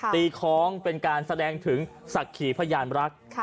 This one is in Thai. คล้องเป็นการแสดงถึงศักดิ์ขีพยานรัก